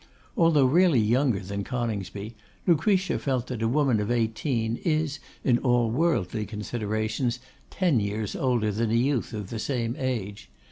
Although really younger than Coningsby, Lucretia felt that a woman of eighteen is, in all worldly considerations, ten years older than a youth of the same age.